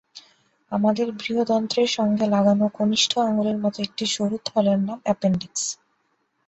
আমাদের বৃহদন্ত্রের সঙ্গে লাগানো কনিষ্ঠ আঙুলের মতো একটি সরু থলের নাম অ্যাপেনডিক্স।